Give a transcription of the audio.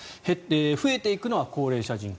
増えていくのは高齢者人口。